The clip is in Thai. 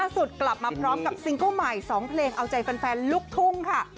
สุดกลับมาพร้อมกับซิงเกิ้ลใหม่๒เพลงเอาใจแฟนลูกทุ่งค่ะ